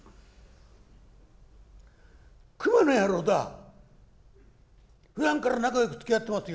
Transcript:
「熊の野郎だ！ふだんから仲よくつきあってますよ